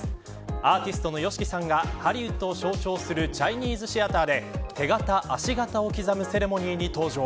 アーティストのＹＯＳＨＩＫＩさんがハリウッドを象徴するチャイニーズ・シアターで手形、足形を刻むセレモニーに登場。